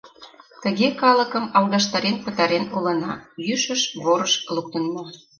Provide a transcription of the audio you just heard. Тыге калыкым алгаштарен пытарен улына, йӱшыш, ворыш луктынна.